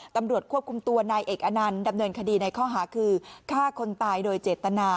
ตำรวจควบคุมตัวนายเอกอนันต์ดำเนินคดีในข้อหาคือฆ่าคนตายโดยเจตนา